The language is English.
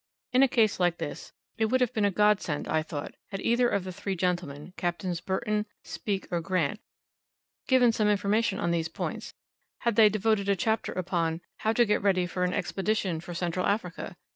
In a case like this, it would have been a godsend, I thought, had either of the three gentlemen, Captains Burton, Speke, or Grant, given some information on these points; had they devoted a chapter upon, "How to get ready an Expedition for Central Africa."